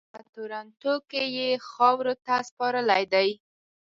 په ټورنټو کې یې خاورو ته سپارلی دی.